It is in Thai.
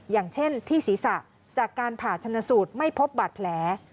อย่างเช่นที่ศีรษะจากการผ่าชนสูตรไม่พบบาดแผล